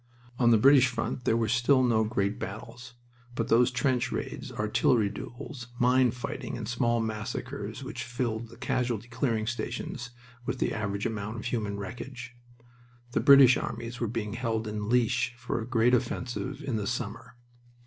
On the British front there were still no great battles, but those trench raids, artillery duels, mine fighting, and small massacres which filled the casualty clearing stations with the average amount of human wreckage. The British armies were being held in leash for a great offensive in the summer.